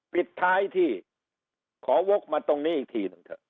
ปิดท้ายที่ขอวกมาตรงนี้อีกทีหนึ่งเถอะ